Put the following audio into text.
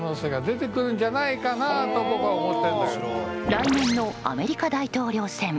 来年のアメリカ大統領選。